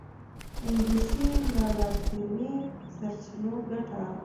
انګلیسي له لاطیني سرچینو ګټه اخلي